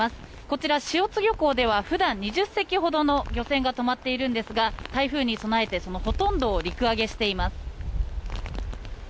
こちら、塩津漁港では普段２０隻ほどの漁船が止まっているんですが台風に備えてそのほとんどを陸揚げしています。